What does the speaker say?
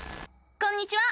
こんにちは！